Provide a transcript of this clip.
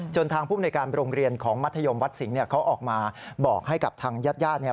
ทางภูมิในการโรงเรียนของมัธยมวัดสิงห์เนี่ยเขาออกมาบอกให้กับทางญาติญาติเนี่ย